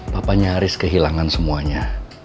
papa nyaris kehilangan semuanya